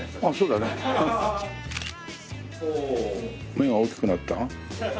目が大きくなった？